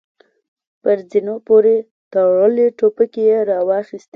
پر زينونو پورې تړلې ټوپکې يې را واخيستې.